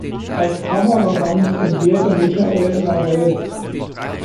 Als Kameramann fungierte Michael Lavelle.